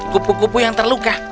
kupu kupu yang terluka